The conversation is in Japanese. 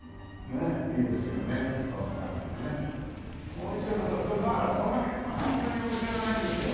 お店でもまだこの辺はそんなにお店がないんですよ。